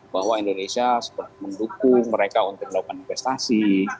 bahwa indonesia mendukung mereka untuk melakukan investasi